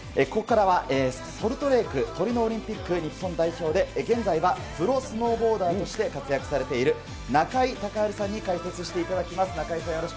ここからはソルトレイク、トリノオリンピック日本代表で、現在はプロスノーボーダーとして活躍されている、中井孝治さんに解説していただきます。